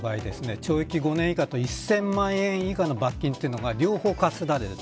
懲役５年以下と１０００万円以下の罰金というのが両方科せられると。